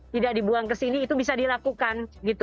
tidak dibuang ke sini itu bisa dilakukan